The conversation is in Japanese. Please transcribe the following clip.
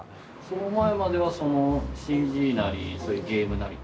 その前まではそのＣＧなりそういうゲームなり？